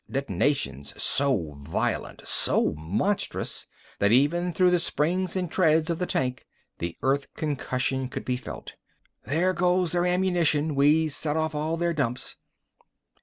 Detonations so violent, so monstrous, that even through the springs and treads of the tank the earth concussion could be felt. "There goes their ammunition! We set off all their dumps!"